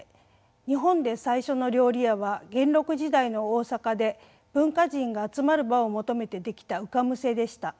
日本で最初の料理屋は元禄時代の大坂で文化人が集まる場を求めて出来た浮瀬でした。